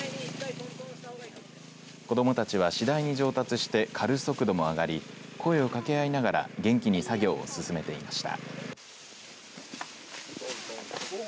子どもたちは次第に上達して刈る速度も上がり声をかけあいながら元気に作業を進めていました。